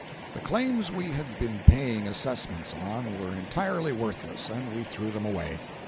The claims we had been paying assessments on were entirely worthless, and we threw them away.